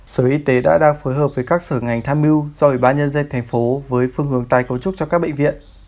sở y tế đã đang phối hợp với các sở ngành tham mưu do ủy ban nhân dân thành phố với phương hướng tài cấu trúc cho các bệnh viện